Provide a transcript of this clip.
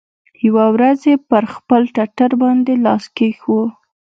يوه ورځ يې پر خپل ټټر باندې لاس کښېښوو.